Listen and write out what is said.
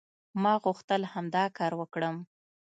ما غوښتل همدا کار وکړم".